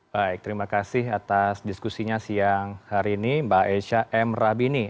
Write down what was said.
baik terima kasih atas diskusinya siang hari ini mbak esha m rabini